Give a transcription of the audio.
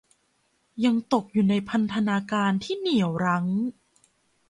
ยังตกอยู่ในพันธนาการที่เหนี่ยวรั้ง